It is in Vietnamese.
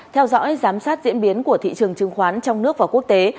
theo dõi giám sát diễn biến của thị trường chứng khoán trong nước và quốc tế